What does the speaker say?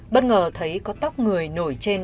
bất ngờ thấy có tóc người nổi trên